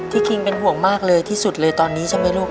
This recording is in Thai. ที่คิงห่วงมากเลยที่สุดเลยตอนนี้ใช่มั้ยลูก